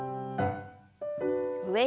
上に。